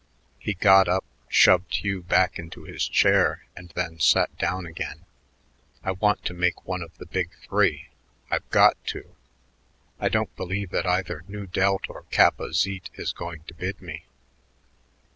He got up, shoved Hugh back into his chair, and then sat down again. "I want to make one of the Big Three; I've got to. I don't believe that either Nu Delt or Kappa Zete is going to bid me.